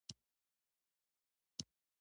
احمد په هر حالت او هر وخت کې خپل کار تر سره کوي.